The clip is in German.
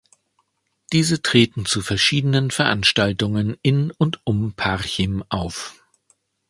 Diese treten zu verschiedenen Veranstaltungen in und um Parchim auf.